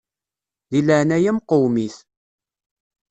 Di leɛnaya-m qwem-it.